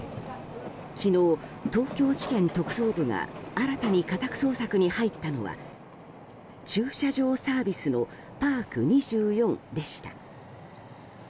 昨日、東京地検特捜部が新たに家宅捜索に入ったのは駐車場サービスのパーク２４でした。